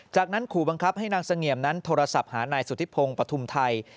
จากนั้นขู่บังคับให้นางเสงี่ยมนั้นโทรศัพท์หานายสุธิพงศ์ปฐุมไทย